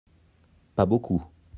Pas beaucoup.